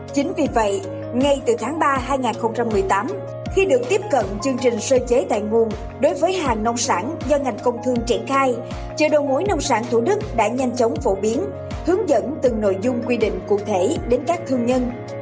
chính vì vậy ngay từ tháng ba hai nghìn một mươi tám khi được tiếp cận chương trình sơ chế tại nguồn đối với hàng nông sản do ngành công thương triển khai chợ đầu mối nông sản thủ đức đã nhanh chóng phổ biến hướng dẫn từng nội dung quy định cụ thể đến các thương nhân